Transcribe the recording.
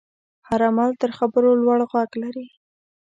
هر عمل تر خبرو لوړ غږ لري.